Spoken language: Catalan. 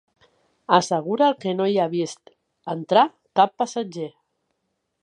Assegura que no hi ha vist entrar cap passatger.